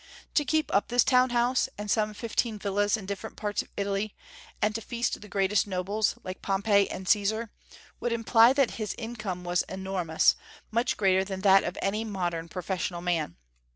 To keep up this town house, and some fifteen villas in different parts of Italy, and to feast the greatest nobles, like Pompey and Caesar, would imply that his income was enormous, much greater than that of any modern professional man.